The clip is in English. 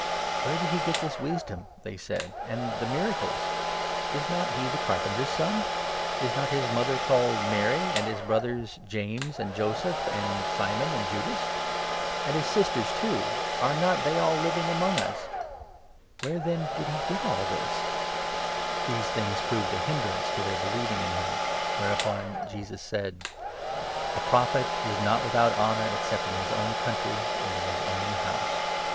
"Where did he get this wisdom?" they said, "and the miracles ? Is not he the carpenter's son ? Is not his mother 55 called Mary, and his brothers James, and Joseph, and Simon, and Judas? And his sisters, too — are not they all living 56 among us ? Where, then did he get all this ?" 4J Enoch 54. 6. <3 Dan. 12. 3. & Enoch 54. 6. 68 MATTHEW, 13 14. These things proved a hindrance to their believing in him ; 57 whereupon Jesus said : "A Prophet is not without honour, except in his own country and in his own house."